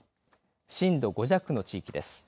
震度５弱の地域です。